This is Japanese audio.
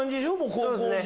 そうですね